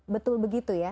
betul begitu ya